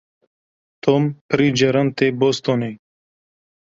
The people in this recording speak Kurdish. Tom pirî caran tê bostonê.